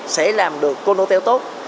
sẽ làm được condotel tốt